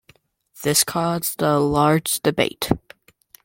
This caused a large debate.